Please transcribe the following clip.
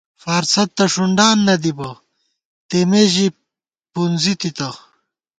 فارڅھد تہ ݭُندان نہ دِبہ، تېمے ژِی پُونزِی تِتہ